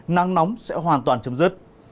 nắng nóng sẽ hoàn toàn chấm dứt